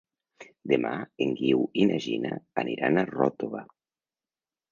Demà en Guiu i na Gina aniran a Ròtova.